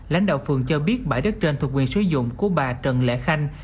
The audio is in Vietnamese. lãnh đạo phường cho biết bãi đất trên thuộc quyền sử dụng của bà trần lễ khanh